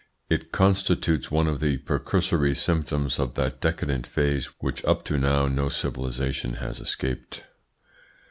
It constitutes one of the precursory symptoms of that decadent phase which up to now no civilisation has escaped.